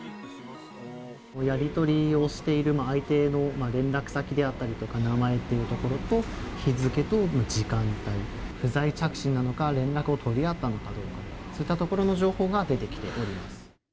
やり取りをしている相手の連絡先であったりとか、名前というところと、日付と時間帯、不在着信なのか、連絡を取り合ったのかどうか、そういったところの情報が出てきております。